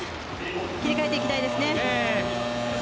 切り替えていきたいです。